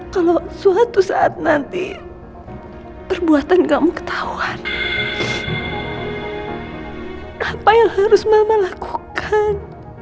kalau suatu saat nanti perbuatan kamu ketahuan apa yang harus mama lakukan